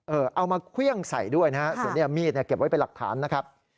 เอามาเครื่องใส่ด้วยนะฮะส่วนนี้มีดเนี่ยเก็บไว้เป็นหลักฐานนะครับ